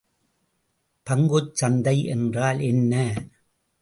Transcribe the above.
பங்குச் சந்தை என்றால் என்ன?